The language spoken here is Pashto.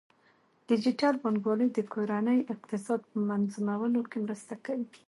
ډیجیټل بانکوالي د کورنۍ اقتصاد په منظمولو کې مرسته کوي.